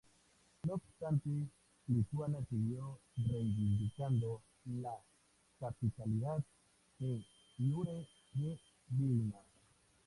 No obstante, Lituania siguió reivindicando la capitalidad "de iure" de Vilna.